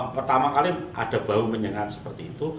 pertama kali ada bau menyengat seperti itu